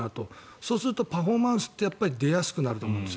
そうするとパフォーマンスって出やすくなると思うんです。